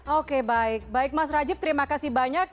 oke baik baik mas rajif terima kasih banyak